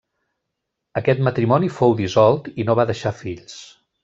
Aquest matrimoni fou dissolt i no va deixar fills.